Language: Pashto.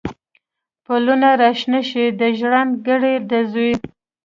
پلونه را شنه شي، د ژرند ګړی د زوی